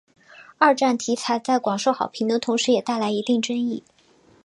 二战题材在广受好评的同时也带来一定争议。